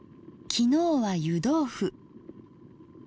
昨日は湯豆腐。